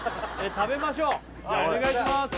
食べましょうじゃあお願いします